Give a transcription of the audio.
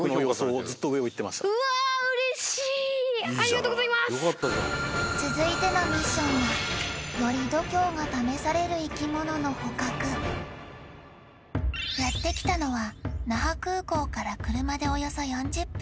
ありがとうございます続いてのミッションはより度胸が試される生き物の捕獲やってきたのは那覇空港から車でおよそ４０分